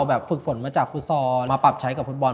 ฝึกฝนมาจากฟุตซอลมาปรับใช้กับฟุตบอล